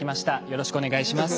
よろしくお願いします。